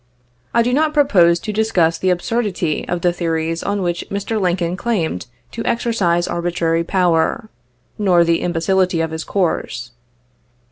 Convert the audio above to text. I do not propose to discuss the absurdity of the theories on which Mr. Lincoln claimed to exercise arbitrary power, nor the imbecility of his course.